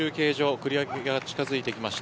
繰り上げが近づいてきました。